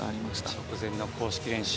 直前の公式練習